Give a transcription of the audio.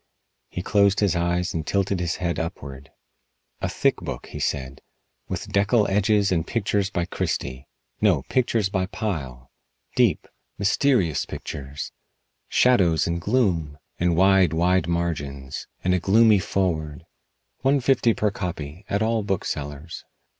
He closed his eyes and tilted his head upward. "A thick book," he said, "with deckel edges and pictures by Christy. No, pictures by Pyle. Deep, mysterious pictures! Shadows and gloom! And wide, wide margins. And a gloomy foreword. One fifty per copy, at all booksellers."